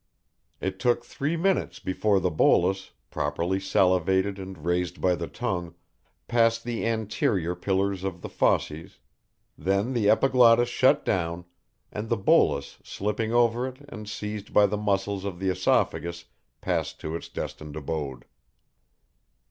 It took three minutes before the bolus, properly salivated and raised by the tongue, passed the anterior pillars of the fauces, then the epiglottis shut down, and the bolus slipping over it and seized by the muscles of the esophagus passed to its destined abode.